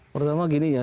pertama gini ya